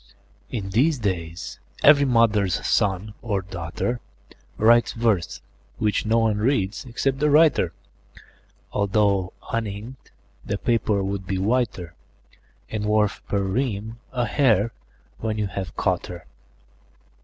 IN these days, every mother's son or daughter Writes verse, which no one reads except the writer, Although, uninked, the paper would be whiter, And worth, per ream, a hare, when you have caught her.